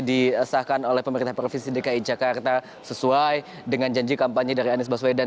disahkan oleh pemerintah provinsi dki jakarta sesuai dengan janji kampanye dari anies baswedan